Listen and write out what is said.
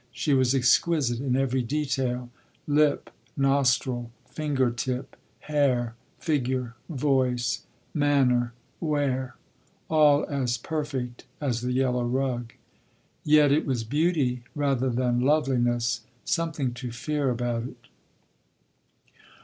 She was exquisite in every detail—lip, nostril, finger tip, hair, figure, voice, manner, wear—all as perfect as the yellow rug. Yet it was beauty, rather than loveliness, something to fear about it.